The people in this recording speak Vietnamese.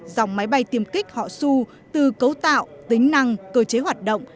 dòng máy bay tiêm kích họ su từ cấu tạo tính năng cơ chế hoạt động